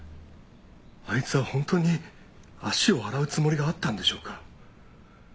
あいつは本当に足を洗うつもりがあったんでしょうか？